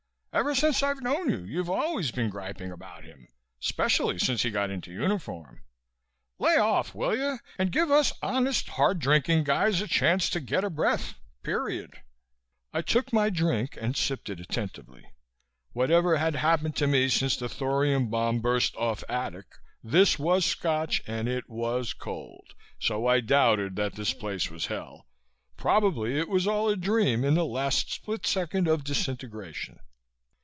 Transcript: Ever since I've known you, you've always been griping about him, specially since he got into uniform. Lay off, will you, and give us honest hard drinking guys a chance to get a breath. Period." I took my drink and sipped it attentively. Whatever had happened to me since the thorium bomb burst off Adak, this was Scotch and it was cold, so I doubted that this place was Hell. Probably it was all a dream in the last split second of disintegration.